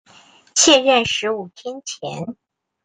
卸任十五天前